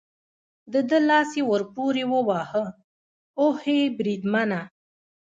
د ده لاس یې ور پورې وواهه، اوهې، بریدمن.